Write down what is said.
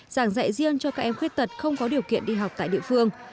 giảng dạy riêng cho các em khuyết tật không có điều kiện đi học tại địa phương